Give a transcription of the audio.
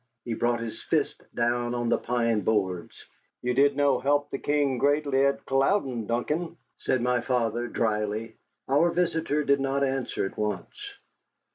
He brought his fist down on the pine boards. "Ye did no help the King greatly at Culloden, Duncan," said my father, dryly. Our visitor did not answer at once.